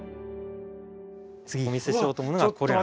次お見せしようと思うのがこれ。